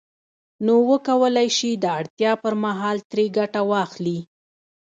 نو وکولای شي د اړتیا پر مهال ترې ګټه واخلي